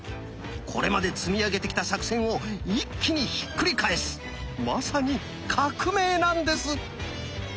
これまで積み上げてきた作戦を一気にひっくり返すまさに「革命」なんです！